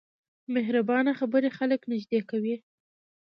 مهربانه خبرې خلک نږدې کوي.